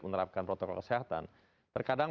menerapkan protokol kesehatan terkadang